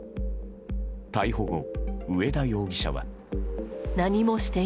逮捕後、上田容疑者は。